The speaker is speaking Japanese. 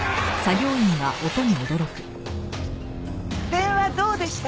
電話どうでした？